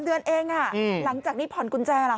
เดือนเองหลังจากนี้ผ่อนกุญแจเหรอ